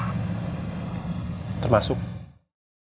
sehari ter aliens ke hayat selama ini